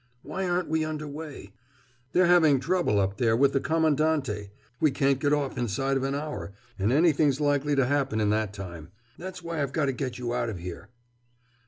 "Why aren't we under way?" "They're having trouble up there, with the Commandante. We can't get off inside of an hour—and anything's likely to happen in that time. That's why I've got to get you out of here!"